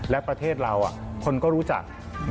และประเทศเราคนก็รู้จัก